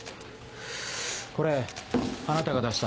これあなたが出した？